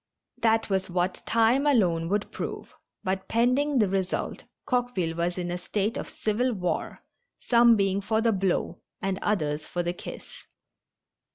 That was what time alone would prove, but pending the result Coqueville was in a state of civil war, some being for the blow and others for the kiss.